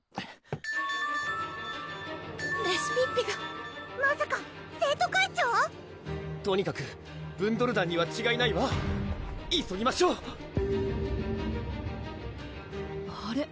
レシピッピがまさか生徒会長⁉とにかくブンドル団にはちがいないわ急ぎましょうあれ？